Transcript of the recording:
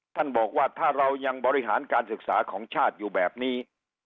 ท่านบอกว่าถ้าเรายังบริหารการศึกษาของชาติอยู่แบบนี้